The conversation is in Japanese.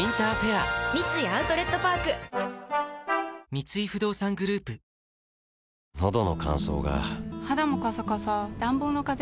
三井不動産グループあれ？